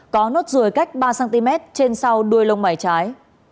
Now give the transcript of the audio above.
có nốt ruồi cách ba cm trên sau đuôi lông mày trái